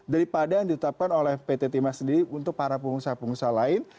daripada yang ditetapkan oleh pt timah sendiri untuk para pengusaha pengusaha lain